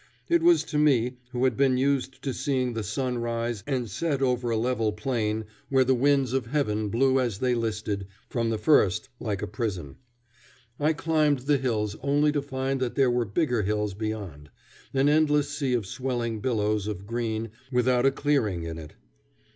It was to me, who had been used to seeing the sun rise and set over a level plain where the winds of heaven blew as they listed, from the first like a prison. I climbed the hills only to find that there were bigger hills beyond an endless sea of swelling billows of green without a clearing in it.